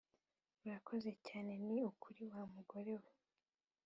urakoze cyane ni ukuri wamugore we!